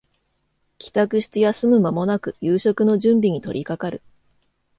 帰宅して休む間もなく夕食の準備に取りかかる